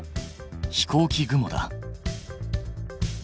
飛行機雲だ。